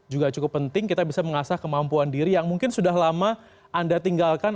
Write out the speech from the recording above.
juga cukup penting kita bisa mengasah kemampuan diri yang mungkin sudah lama anda tinggalkan